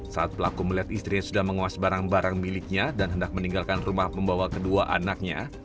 saat pelaku melihat istrinya sudah menguas barang barang miliknya dan hendak meninggalkan rumah pembawa kedua anaknya